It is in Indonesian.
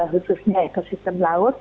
khususnya ekosistem laut